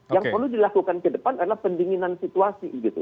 yang perlu dilakukan ke depan adalah pendinginan situasi gitu